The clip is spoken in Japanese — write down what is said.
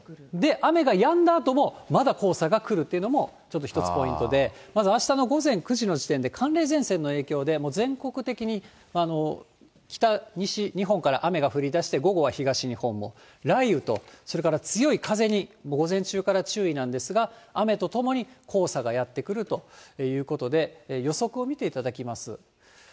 雨がやんだあともまだ黄砂が来るというのもちょっと一つポイントで、まず、あしたの午前９時の時点で寒冷前線の影響で、もう全国的に北、西日本から雨が降りだして、午後は東日本も雷雨と、それから強い風に、午前中から注意なんですが、雨とともに黄砂がやって来るということで、予測を見ていただきます。